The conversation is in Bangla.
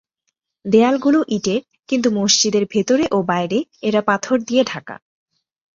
দেয়ালগুলো ইটের কিন্তু মসজিদের ভেতরে ও বাইরে এরা পাথর দিয়ে ঢাকা।